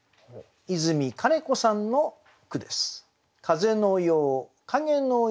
和泉金子さんの句です。